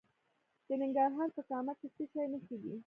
د ننګرهار په کامه کې د څه شي نښې دي؟